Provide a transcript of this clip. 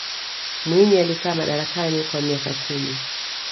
mwinyi alikaa madarakani kwa miaka kumi